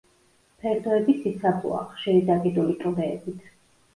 ფერდოები ციცაბოა, ხშირი დაკიდული კლდეებით.